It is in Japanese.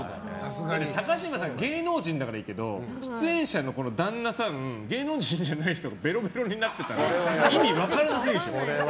高嶋さんは芸能人だからいいけど出演者の旦那さんで芸能人じゃない人がべろべろになってたら意味分からなすぎて。